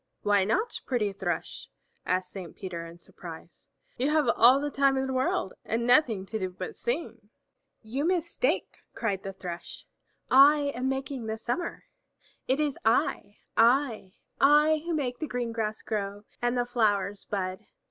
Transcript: "Why not, pretty Thrush?" asked Saint Peter in surprise. "You have all the time in the world and nothing to do but sing." "You mistake," cried the Thrush. "I am making the summer! It is I, I, I who make the green grass grow and the flowers bud.